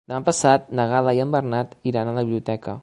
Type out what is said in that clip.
Demà passat na Gal·la i en Bernat iran a la biblioteca.